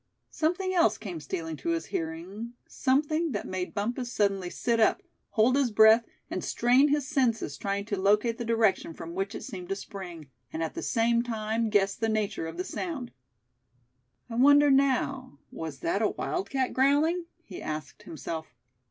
Something else came stealing to his hearing, something that made Bumpus suddenly sit up, hold his breath, and strain his senses trying to locate the direction from which it seemed to spring, and at the same time guess the nature of the sound. "I wonder now, was that a wildcat growling?" he asked himself.